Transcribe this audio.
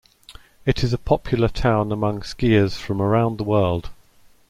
It is a popular town among skiers from around the world.